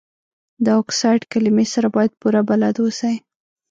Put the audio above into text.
د اکسایډ کلمې سره باید پوره بلد اوسئ.